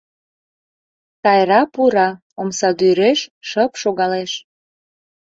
Тайра пура, омсадӱреш шып шогалеш.